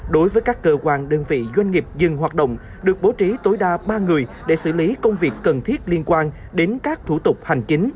đối với các cơ quan đơn vị doanh nghiệp dừng hoạt động được bố trí tối đa ba người để xử lý công việc cần thiết liên quan đến các thủ tục hành chính